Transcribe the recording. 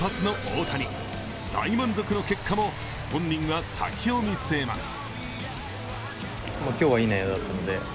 大満足の結果も本人は先を見据えます。